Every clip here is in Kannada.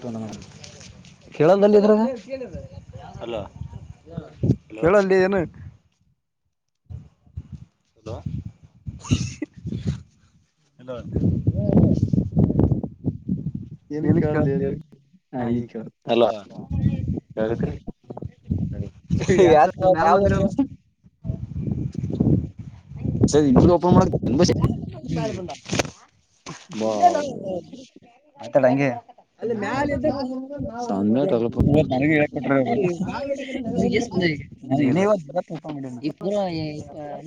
ಟ ನ ಕೇಳಲ್ಲ ಇದ್ರಾಗ ಹಲೋ ಕೇಳಲ್ಲ ಲೆ ಏನು ಹಲೋ ಹಲೋ ಏನು ಕೇಳಲ್ಲ ಏನ್ ಲೇ ಹಾ ಈಗ ಅಲ್ಲ ಹೇಳ್ತರಿ ಯತ್ ಯಾವ ಅಂದ್ರೆ ಚೇ ಇಬ್ರೂ ಓಪನ್ ಮಾಡ್ ಬಸ್ಯ ಇ ಆಯ್ತಲ್ಲ ಹಂಗೆ ಅಲ್ಲಿ ಮ್ಯಾಲ ಇದ ಇವತ್ತು ನಂಗೇ ಹೇಳಕ್ಕೆ ಬಿಟ್ಟರೆ ಇವತ್ತ ಇಬ್ರು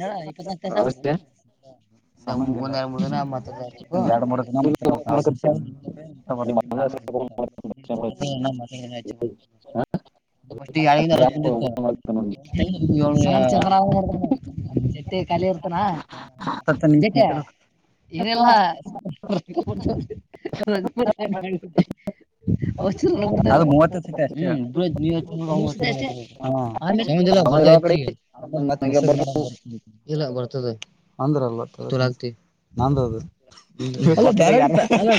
ನಳ ಇಪ್ಪತ್ನಾಕ್ುದನಾ [inaudible] ಎರೆಡು ಮೂರು ವರ್ಷ ಮಾತಾಡಬೇಕು ನಾವು ಫರ್ಸ್ಟ್ ಅಳಿದು ಅರ್ವತ್ತು ಬಂದಿತು ಜಟ್ಟ ಖಾಲಿ ಇರ್ತಾನ ಏನಿಲ್ಲ ಹ ಮಾಡಬ ಮೂವತ್ತು ಸಿಕ್ಕಾತಿ ಹಾ ಆ ಬರ್ತಾಚ್ಚಿಗೆ ಆೇತ್ ಮೆಸೇಜ್ ಮಾಡ ಬರ್ ಇಲ್ಲ ಬರ್ತದೆ ಅಂದ್ರಲ್ಲ ನಂದು ಅದು ಬೇರಿಗೆ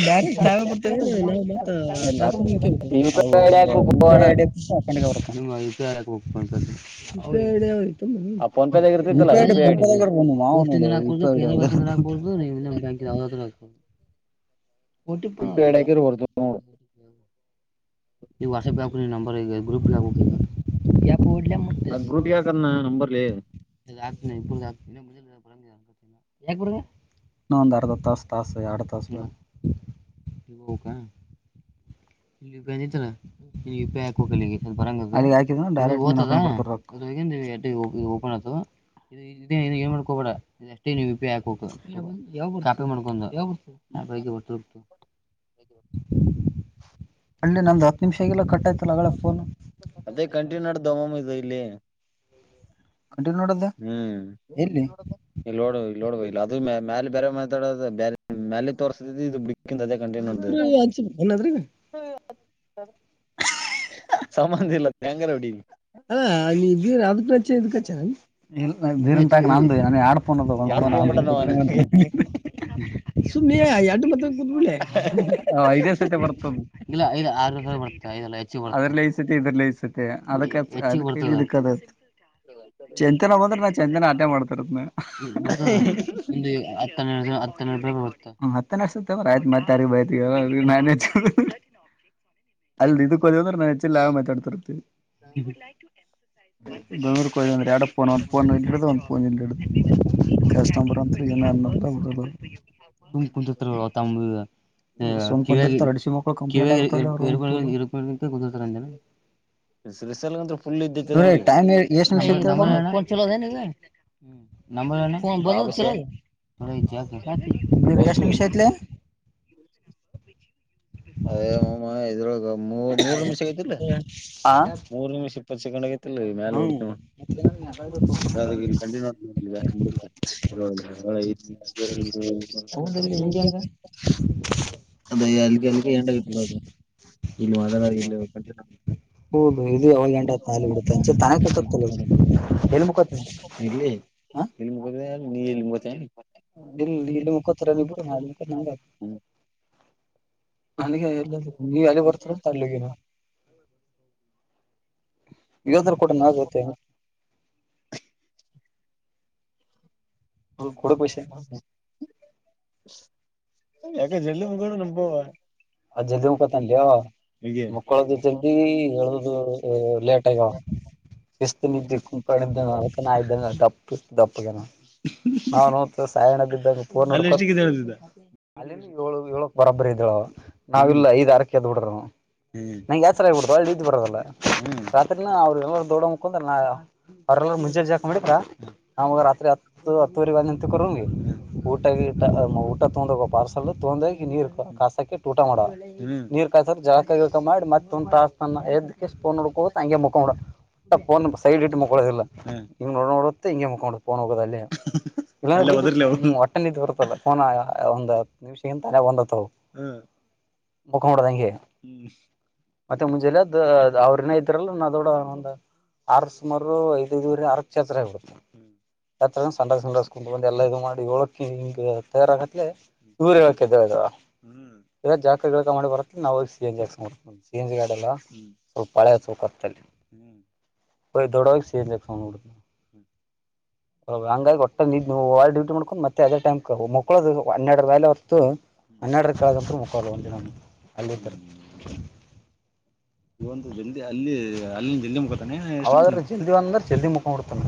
ಬೇರೆ ತಾವೇ ಬಿಟ್ಟಿರಿಲ್ಲ ಬರ್ತವೆ ನಾವು ಮತ್ತ ದರ್ ಬರ್ತ ಅದು ಯಾರ ಒಪ್ಪಿಕೊಳ್ತಾರೆ ಮತ್ತೆ ಹೂ ಹೂ ಹುಡುಕಾಡಿ ಕೊಡ್ತಾರಾಂದ್ರು ನಮ್ನ ಹೂ ಹೂ ಯೂನಿಯನ್ ಬ್ಯಾಂಕ್ ದು ಯಾವ್ದಾದ್ರೂ ಆಗ್ಲಿ ಓಟ್ಟಿಪ ಈವು ವಾಟ್ಸಪ್ ಯಕ ನೀ ನಂಬರ್ಗ ಅ ಬ್ಯಾ ಯಾಕ್ ಕುಡ್ಲ ಮತ್ತೆ ಇನ್ನು ಮು ಯಾಕ ಕೊಡು ಇನ್ನು ಒಂದು ಅರ್ದ ತಾಸ ತಾಸ ಆಡತಾಸಿ ಇಗುಕ ಇಬ್ಬರು ಇಳಿದ್ರೆ ಹೋಗಲಾಗಿಬರಂಗಿಲ್ಲ ಅಲ್ಲಿ ಹಾಕಿದ್ರೆ ಡೈರೆಕ್ಟ್ ಭರ್ತತಿ ಓಪನ್ ಅ ಇ ಏನ್ ಮಾಡ್ಕೋಬೇಡ ಅಷ್ಟೇ ನೀವು ಇಪೆ ಹಾಕ ಬೇಕು ಕಾಪಿ ಮಾಡ್ಕೊಂಡು ಅದು ಇದು ಉತುಡು ಹ ಹಳ್ಳಿ ನಂದು ಹತ್ತು ನಿಮಿಷ ಆಗಲ್ಲ ಕಟ್ಾಯ್ತಲ್ಲ ಅಗಳ ಫೋನು ಲೆ [unintelligible] ಹ್ಮ್ ಇಲ್ಲಿ ನೋಡ್ ಇ ನೋಡ್ಬ ಇಲ್ಲ ಅದು ಮ ಮ್ಯಾಲ ಬೇರೆ ಮಾತಾಡೋದು ಬೇ ಮೇಾಲ ತೋರ್ತಿದ್ದ ಇದು ಬಿಡ್ಕ ಅದ ಇಬರು ಅನ್ಸ ಬನ್ನದ್ರಿ ಸಮ್ಮದಿಲ್ಲ ತೇಂಗರ ಹೊಡಿ ಹೇ ಅದಕ್ಕ ಅಚ್ಚಿ ಇದ್ದುಕಾ ಅಚ್ಚಿರೆನ್ ನೀರ್ ಗ ನಂದೂ ಪೋನ್ ಸುಮ ಆ ಎರೆಡು ಮಾತಾಡು ಐದೇ ಸತಿ ಬರ್ತದ ಇಲ್ಲ ಅರ್ನೆ ಸತಿ ಬರ್ತದೆ ಅದ್ರಲ್ಲ ಐದು ಸುತ್ತೆ ಇದ್ರಲ್ಲಿ ಐದು ಸುತ್ತೆ ಅದಕ್ಕೆ ಹತ್ತು ಇದುಕ್ಕೆ ಹತ್ತು ಚಂತೆನ ಹಬಂದ್ರೆ ನಾ ಚಂತೆನ ಅದೇ ಮಾಡುತ್ತೀನಿ ಹ ಹ ಹತ್ತನಡ್ವ ಆಯ್ತ್ತ್ತ ಯಾರಿಗೆ ಬ ನ ಅಲ್ ಇದಕ್ಕ ಹೋದಂದ್ರೆ ನಾ ಹೆಚ್ಚಾ ಮಾತಾಡ್ತಿರ್ತವಿ ೂ ಕೊೋ ಅಂದ್ರೆ ಎರಡಫೋನ್ ಒಂದ್ ಫೋನ್ ಇಲ್ಡು ಒಂದ್ ಫೋನ್ ಇಲ್ಡು ಕಷ್ಟಂಬರ್ ಅಂತಏನ ಸುಮ್ಮು ಕುಂತೀರ್ತಾರ ಟೈಮ್ ಎಷ್ಟು ನನ ಹ ನ ಎಷ್ಟು ನಿಮಿಷ ಐತ್ಲೆ [unintelligible] ಅದೇ ಮಮ್ಮ ಇದ್ರೊಳಗ ಮೂ ಮೂರ್ ನಿಮಿಷ ಆಗತಿಲ್ಲ ಮೂರ್ ನಿಮಿಷ ಇಪ್ಪತ್ತು ಸೆಕೆಂಡ್ ಆಗತಿ ಮೇಲೆ ಉತ ಯಾದ ಗ ಕಿನ ಹಂಗಗೆಗ ಅದ ಅಲ್ಲಿ ಅಲ್ಲಿಕ್ಕೆ ಇಲ್ಲಿ ಮಾತ್ರ ಇಲ್ಲಿ ಹೌದು ಇದು ಯಾವಾಗ ಗಂಟ ತಾಲೂ ತ ಎ ಮು ಇ ಎ ಇಲ್ಲಿ ಇಲ್ಲಿ ಮುಕ್ಕೋತ್ತರ ನೀ ನಾಳ ಅಗೆ ಎಲ್ಲ ನೀ ಅಲ್ಲಿ ಬರ್ತೀರಂತ ಅಲ್ಲಿ ಇಗಾದ್ರ ಕೂಡ ನಾಗತ್ತೆ ಹ ಡ ಪೈಸ ಯಾಕ ಜಲ್ಲಗೂಡ ನಮಬೋುವ ಅಲ್ಲಿ ಜಲ್ದಿ ಮುಖತ ಅಲ್ಲಿ ಮುಕ್ಕಳದು ಜಲ್ದಿ ಹೇಳ ಲೇಟ್ ಆಗ್ಯವ ಶಿಸ್ತು ನಿಿದ್ದು ಕಪ ಇದ್ದಕ ನ ಇದ್ದ ದಪ್ಪಗನ ನಾ್ ನೋತ ಸಾಯಣ ಬಿದ್ದರ್ ಅಲ್ಲಿಲ್ಲಿ ಏಳು ಏಳಕ್ ಬರಾಬರಿ ಇದ್ದಳ ನಾವ ಇಲ್ಲ ಐದ ಆರಕ್ಕೆ ಎದ್ ಬಿಡ್ರರು ಹ್ಮ್ ನಂಗೆ ಯಚಾರ ಆಗಬ ಬಿಡ್ತ ಇದ್ ಬರೋದಲ್ಲ್ಮ ರಾತ್ರಿನ ಅವ್ರಿಗೆಲ್ಲ ದೊಡ ಮುಕೊಂಡ ್ರ ಮುಂಜೆ ಜಾಕ ಮಾಡಿಿಕ್ರ ನಾವಾಗ ರಾತ್ರಿ ಹತ್ತು ಹತ್ತೂುವರೆ ಅ ನಿಂತ ಕೊಗೆ ಊಟಗ ಊಟ ತಗೊಂಡು ಹೋಗ್ಬೇಕು ಪಾರ್ಸಲ್ ತೊಂದಿ ನೀರ್ ಕಸಕ್ಕೆ ಊಟ ಮಾಡ ನೀರ್ ಕಸ ಜಲ ಮಾಡಿ ಮತ್ತೊಂದ್ ತ ಅ ಎದಕ್ಕೆಸ್ ಫೋನ್ೋಡ್ಕೋದು ಹಾಗಂಗೆ ಮುಕಮ ಬಿಡೋದು ಲ್ಫೋನ್ ಸೈಡ್ ಇಟ್ಟು ಮುಕ್ಕಡ ಇಲ್ಲಲ್ಲ ಇ್ೊಡೋಡ ಇ ಮುಖ ಫೋನ್ ಹೋಗದ ಇಲ್ಲ ಹೊಟ್ಟೆನ ಬರ್ತದ ಕೋನ ಒಂದ್ ಹತ್ತು ನಿಮಿಷಗಿಂತ ತಲೆ ಬಂದತವು ಮಲ್ಕೊಡದಂಗೆ ಮತ್ತೆ ಮುಂಜೆಾಲ ಅದ ಅವ್ರನ ಇದ್ರಲ್ಲ ನ ದೊಡ ಒಂದ ಆರ್ ಸುಮಾರು ಐದಐದವರೆ ಆರ ಕ್ಷತ್ರ ಆಗ್ಿಬಡ್ತ ಯ ಸಂಡಸ್ ಸಂಡ್ರಸ್ ಕುೊಂಡು ಬಂದ ಎಲ್ಲ ಇದು ಮಾಡಿ ಹೋಳಕಿ ಹಿಂಗ ತಯಾರಕತ್ ಊರ ಹಕದುದವಾ ಈಗ ಜಾಕಕ ಮಾಡಿ ಬರತ್ತ ನಾವ ಸಿ ಜಾಸ್ ಸಿ ಎಿ ಗಾ ಎಲ್ಲ ಸ್ವಲ್ಪ ಪಳೆೌಕ ದೊಡಕ್ಕೆ ಸೇಡ್ ಹ ಹಂಗಾಗಿ ಒಟ್ಟೆ ಡೂಟಿ ಮಾಡ್ಕೊಂಡು ಮತ್ತೆ ಅದೇ ಟೈಮ್ ಮಕ್ಕಳದು ಹನ್ನೆರಡು ವಲೆ ಹನ್ನೆರಡರ ಕಳದತ್ರ ಮುಖ ಒಂದು ದಿನ ಹ [unintelligible] ಇಂದು ಜಲ್ದಿ ಅಲ್ಲಿ ಅಲ್ಲಿ ಜಲ್ದಿ ಮುತಾನೆ ಜದಿಂದ್ರೆ ಜಲ್ದಿ ಮುಕಡ್ತಾನ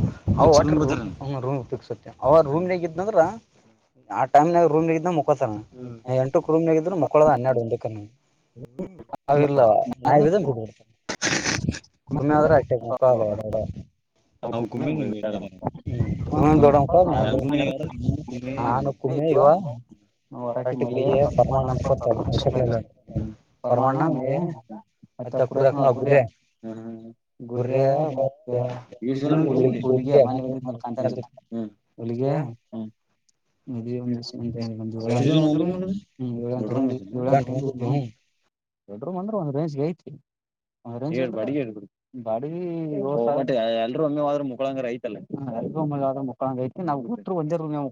ರೂ ಉಪೋಗಿಸುತ್ತೆ ಅವ ರೂಮ್ಾಗ ಇದ್ಂದ್ರ ಆ ಟೈ್ ರೂಮ್ ಇದ ಕೋತ ಎಂಟು ಕುಮನಾಗಿದ್ರರು ಮುಕ್ಕಳದ ಹನ್ನೆರಡು ಒಂದ ಅವ ಇಲ್ಲ ನಾ ಇದ ಬ ಬಿಡ್ತನೆ ಕಮ್ಮಿ ಆದ್ರೆ ಅಷ್ಟೆ ಮುಖಾಲ ಬಡ ಹ ಕು ಇದ ಮರಾಟ ಮ ಹಪಾನ ಸ ಶಲ ಪಮಾಣ್ಣ ಮಾಯಾ ಮತ್ತ ಕುರ್ಯ ಹ್ಮ್ ಗುರ್ರ ಮತ್ತೆ ಹು ಮ ಹ್ಮ ಹೊಲಗೆ ಒ [unintelligible] ಎರಡ್ ರೂಮ್ ಅಂದ್ರೆ ಒಂದ್ ರೇಂಜ್ಗೆ ಐತಿ ಬಡಿಗಿ ಎಲ್ರುೂ ಒಮ್ಮೆ ಹದ್ರರು ಮುಖಳಂಗ್ರ ಐತಲ್ಲ ಮುಕ್ಕಳಂಗ ಐ ನಾವು ಒಟ್ಟ ಒಂದ ಮು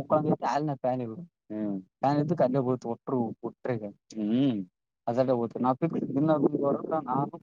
ಮುಕ್ಕಳ ಐ [inaudible] ಹ್ಮ ನಾನು ಕಲ್ಲಬ ಒಟ್ಟರು ಹ್ಮ್ ಅದದೆಲ್ಲ ನಾ ನು